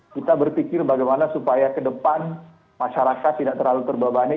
kita berpikir bagaimana supaya kedepan masyarakat tidak terlalu terbabani